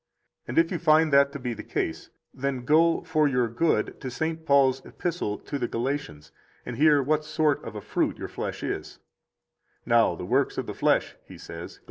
And if you find that to be the case, then go, for your good, to St. Paul's Epistle to the Galatians, and hear what sort of a fruit your flesh is: Now the works of the flesh (he says [Gal.